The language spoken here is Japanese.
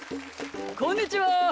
こんにちは。